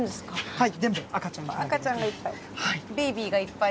はい。